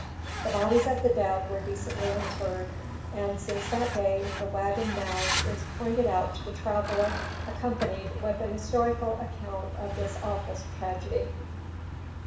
The bodies of the dead were decently interred; and, since that day, the "Wagon Mound" is pointed out to the traveler accompanied with a historical account of this awful tragedy.